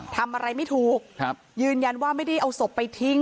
ทำอะไรไม่ถูกครับยืนยันว่าไม่ได้เอาศพไปทิ้ง